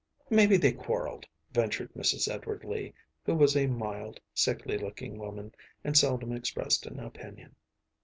‚ÄĚ “Maybe they quarreled,‚ÄĚ ventured Mrs. Edward Lee, who was a mild, sickly looking woman and seldom expressed an opinion.